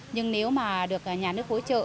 nhưng nếu mà được nhà nước hỗ trợ